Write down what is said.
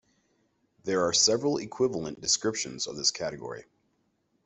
There are several equivalent descriptions of this category.